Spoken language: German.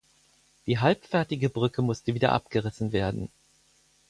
Die halbfertige Brücke musste wieder abgerissen werden.